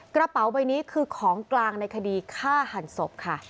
กระเป๋าใบนี้คือของกลางในคดีฆ่าหันศพค่ะ